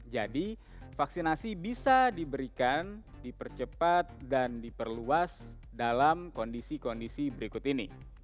jadi vaksinasi bisa diberikan dipercepat dan diperluas dalam kondisi kondisi berikut ini